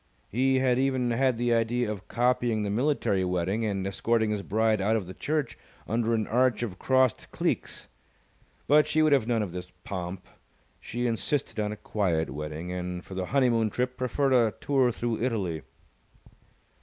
He had even had the idea of copying the military wedding and escorting his bride out of the church under an arch of crossed cleeks. But she would have none of this pomp. She insisted on a quiet wedding, and for the honeymoon trip preferred a tour through Italy.